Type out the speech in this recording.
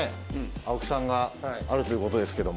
青木さんがあるということですけども。